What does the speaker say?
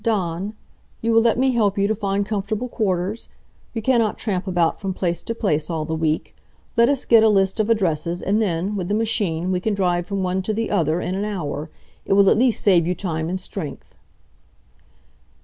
"Dawn, you will let me help you to find comfortable quarters? You cannot tramp about from place to place all the week. Let us get a list of addresses, and then, with the machine, we can drive from one to the other in an hour. It will at least save you time and strength."